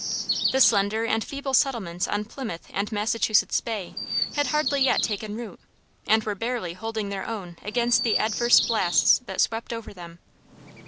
The slender and feeble settlements on Plymouth and Massachusetts Bay had hardly yet taken root, and were barely holding their own against the adverse blasts that swept over them.